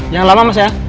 jangan lama mas ya